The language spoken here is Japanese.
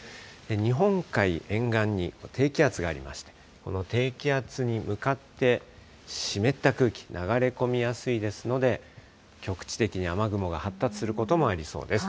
日本海沿岸に低気圧がありまして、この低気圧に向かって、湿った空気、流れ込みやすいですので、局地的に雨雲が発達することもありそうです。